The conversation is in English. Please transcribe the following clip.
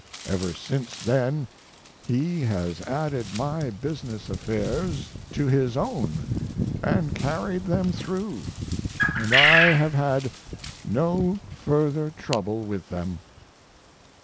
Ever since then he has added my business affairs to his own and carried them through, and I have had no further trouble with them.